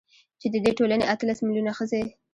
چـې د دې ټـولـنې اتـلس مـيلـيونـه ښـځـې .